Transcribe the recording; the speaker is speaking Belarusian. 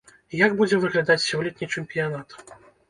Як будзе выглядаць сёлетні чэмпіянат?